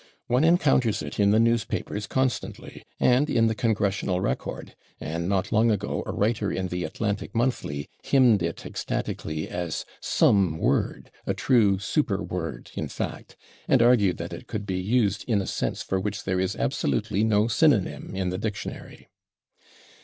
One encounters it in the newspapers constantly and in the /Congressional Record/, and not long ago a writer in the /Atlantic Monthly/ hymned it ecstatically as "/some/ word a true super word, in fact" and argued that it could be used "in a sense for which there is absolutely no synonym in the dictionary."